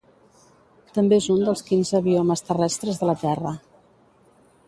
També és un dels quinze biomes terrestres de la terra.